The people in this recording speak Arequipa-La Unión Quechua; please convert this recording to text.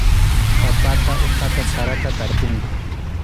Papata uqata sarata tarpunku.